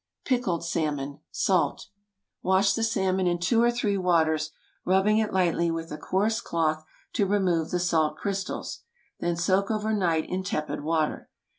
PICKLED SALMON. (Salt.) Wash the salmon in two or three waters, rubbing it lightly with a coarse cloth to remove the salt crystals. Then soak over night in tepid water.